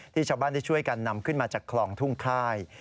ชาวบ้านได้ช่วยกันนำขึ้นมาจากคลองทุ่งค่าย